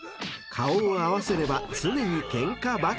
［顔を合わせれば常にケンカばかり］